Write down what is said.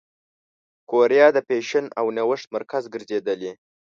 کوریا د فېشن او نوښت مرکز ګرځېدلې.